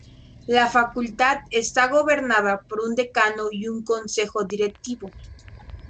La Facultad está gobernada por un Decano y un Consejo Directivo.